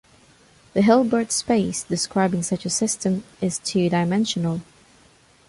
The Hilbert space describing such a system is two-dimensional.